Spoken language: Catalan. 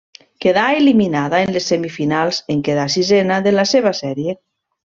Quedà eliminada en les semifinals en quedar sisena de la seva sèrie.